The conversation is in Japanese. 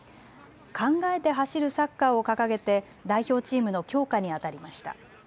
考えて走るサッカーを掲げて代表チームの強化にあたりました。